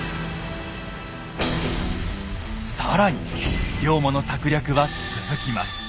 更に龍馬の策略は続きます。